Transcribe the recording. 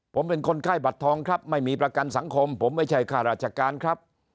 ผมเป็นคนไข้บัตรทองครับไม่มีประกันสังคมผมไม่ใช่ค่าราชการครับ